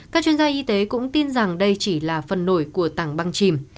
các chuyên gia y tế cũng tin rằng đây chỉ là phần nổi của tảng băng chìm